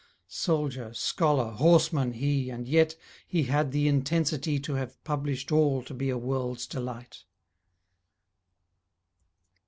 Soldier, scholar, horseman, he, And yet he had the intensity To have published all to be a world's delight.